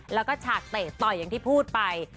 แล้วก็ฉากเตะต่อยอย่างที่พูดไป